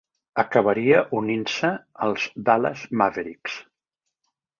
Acabaria unint-se als Dallas Mavericks.